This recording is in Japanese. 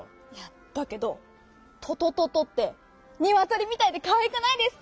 だけど「とととと」ってニワトリみたいでかわいくないですか？